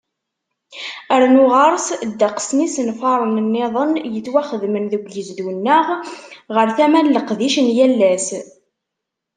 Rnu ɣer-s, ddeqs n yisenfaren-nniḍen yettwaxdamen deg ugezdu-nneɣ ɣar tama n leqdic n yal ass.